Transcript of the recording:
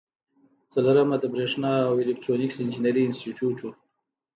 څلورمه د بریښنا او الکترونیکس انجینری انسټیټیوټ و.